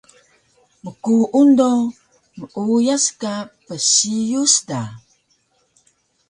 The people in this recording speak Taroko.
Mkuung do meuyas ka psiyus da